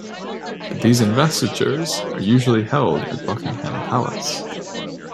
These investitures are usually held at Buckingham Palace.